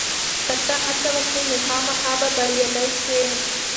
که ته هڅه وکړې، نو خامخا به بریالی شې.